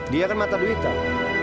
dia kan mata duit ah